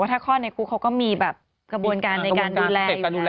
ที่เค้าก็จะอาการแดด